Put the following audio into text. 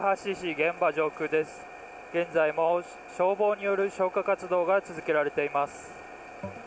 現在も消防による消火活動が続けられています。